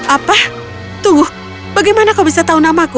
apa tuh bagaimana kau bisa tahu namaku